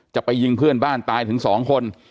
จะไปยิงเพื่อนบ้านตายถึง๒คน